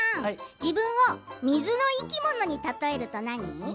自分を水の生き物に例えると何？